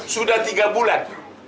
sudah tiga bulan